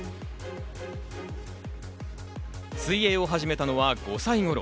水泳を始めたのは５歳頃。